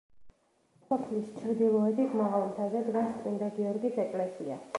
სოფლის ჩრდილოეთით, მაღალ მთაზე, დგას წმინდა გიორგის ეკლესია.